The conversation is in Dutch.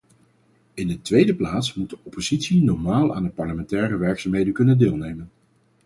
In de tweede plaats moet de oppositie normaal aan de parlementaire werkzaamheden kunnen deelnemen.